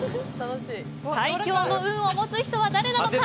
最強の運を持つ人は誰なのか？